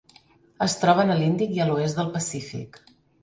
Es troben a l'Índic i a l'oest del Pacífic.